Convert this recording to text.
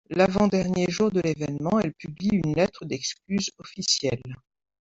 L'avant dernier jour de l'événement, elle publie une lettre d'excuses officielle.